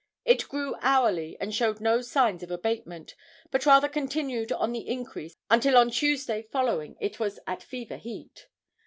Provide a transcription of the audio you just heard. It grew hourly and showed no signs of abatement, but rather continued on the increase, until on Tuesday following it was at fever heat.